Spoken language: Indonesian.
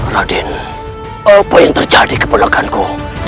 raden apa yang terjadi keponakanku